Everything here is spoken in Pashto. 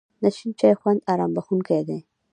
د شین چای خوند آرام بښونکی دی.